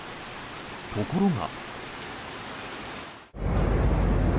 ところが。